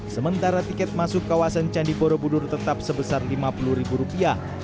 sementara tiket masuk kawasan candi borobudur tetap sebesar lima puluh ribu rupiah